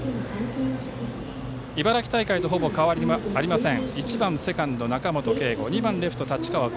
茨城大会とほぼ変わりありません。